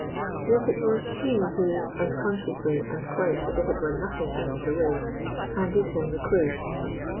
Yet it was she who unconsciously and quite as if it were nothing out of the way handed him the clue.